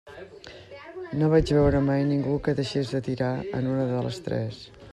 No vaig veure mai ningú que deixés de tirar en una de les tres.